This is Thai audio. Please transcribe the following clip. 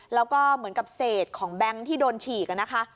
แล้วก็เหมือนกับเศษของแบงค์ที่โดนฉีกนะคะ